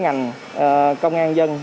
ngành công an dân